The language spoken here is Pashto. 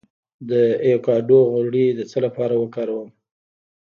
د ایوکاډو غوړي د څه لپاره وکاروم؟